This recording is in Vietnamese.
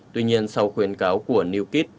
tuy nhiên sau khuyến cáo của newkip